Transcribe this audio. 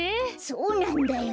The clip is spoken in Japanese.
そうなんだよ。